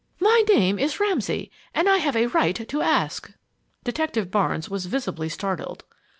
My name is Ramsay and I have a right to ask!" Detective Barnes was visibly startled.